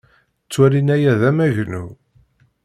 Ttwalin aya d amagnu.